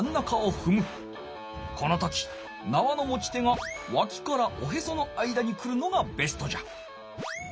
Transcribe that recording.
この時なわの持ち手がわきからおへその間に来るのがベストじゃ。